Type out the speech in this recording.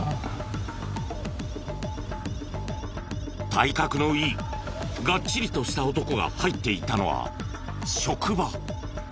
体格のいいガッチリとした男が入っていったのは職場。